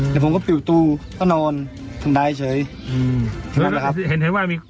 แล้วเราได้เสพไหม